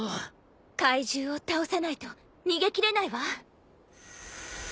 怪獣を倒さないと逃げ切れないわ。